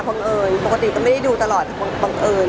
ค่ะพลังเอิญปกติก็ไม่ได้ดูตลอดค่ะพลังเอิญ